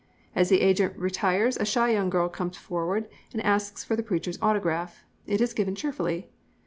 As the agent retires a shy young girl comes forward and asks for the preacher's autograph. It is given cheerfully.